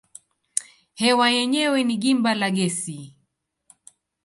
Hewa yenyewe ni gimba la gesi.